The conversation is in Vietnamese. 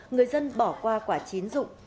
người dân bỏ qua quả chín dụng